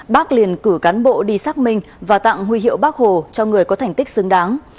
bác liền cử cán bộ đi xác minh và tặng huy hiệu bắc hồ cho người có thành tích xứng đáng